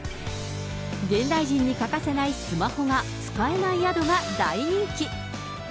現代人に欠かせないスマホが使えない宿が大人気。